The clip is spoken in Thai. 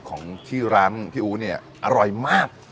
ของที่ร้านพี่อู๋เนี่ยอร่อยมาก